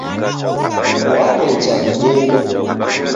Wawecha didede.